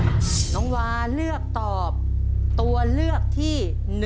น้องวาเลือกตอบตัวเลือกที่๑